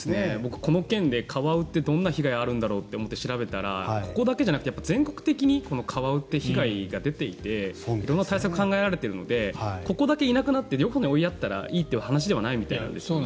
この件でカワウってどんな被害があるんだろうって調べたらここだけじゃなくて全国的にカワウって被害が出ていて色んな対策が考えられているのでここだけいなくなってどこかへ追いやったらいいという話ではないみたいなんですね。